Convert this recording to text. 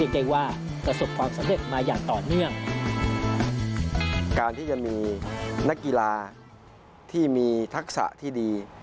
การที่จะมีนักกีฬาที่มีทักษะที่ดี